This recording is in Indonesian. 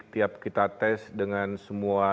tiap kita tes dengan semua